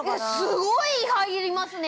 ◆すごい入りますね。